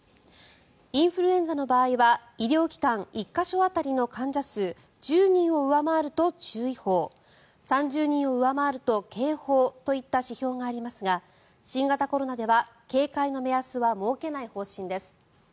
インフルエンザの場合は医療機関１か所当たりの患者数１０人を上回ると注意報３０人を上回ると警報といった指標がありますが新型コロナでは警戒の目安は設けない方針です。